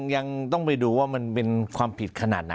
ยังต้องไปดูว่ามันเป็นความผิดขนาดไหน